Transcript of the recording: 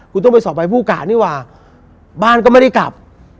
คุณต้องไปสอบใบผู้กะนี่ว่าบ้านก็ไม่ได้กลับ